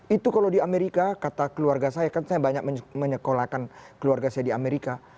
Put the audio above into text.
itu kalau di amerika kata keluarga saya kan saya banyak menyekolahkan keluarga saya di amerika